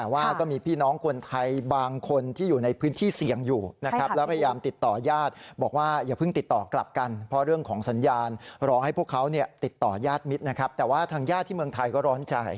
ว่าก็มีพี่น้องคนไทยบางคนที่อยู่ในพื้นที่เสี่ยงอยู่นะครับแล้วพยายามติดต่อญาติบอกว่าอย่าเพิ่งติดต่อกลับกันเพราะเรื่องของสัญญาณรอให้พวกเขาติดต่อยาดมิตรนะครับแต่ว่าทางญาติที่เมืองไทยก็ร้อนใจ